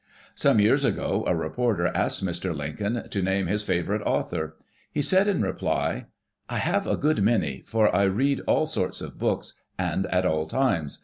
Some years ago a reporter asked Mr. Lincoln to name his favorite author. He said in reply: "I have a good many, for I read all sorts of books, and at all times.